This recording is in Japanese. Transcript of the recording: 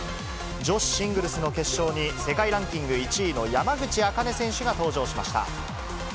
女子シングルスの決勝に、世界ランキング１位の山口茜選手が登場しました。